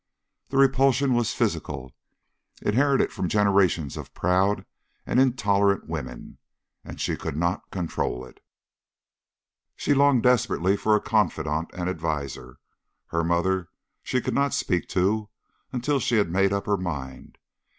The repulsion was physical, inherited from generations of proud and intolerant women, and she could not control it. She longed desperately for a confidant and adviser. Her mother she could not speak to until she had made up her mind.